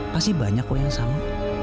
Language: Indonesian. pasti banyak kok yang sama